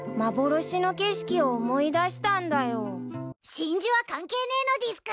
真珠は関係ねいのでぃすか！